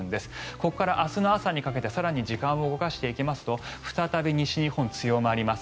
ここから明日の朝にかけて更に時間を動かしていきますと再び西日本、強まります。